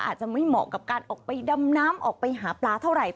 อาจจะไม่เหมาะกับการออกไปดำน้ำออกไปหาปลาเท่าไหร่